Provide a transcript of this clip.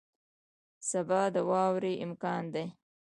سبا د واورې امکان دی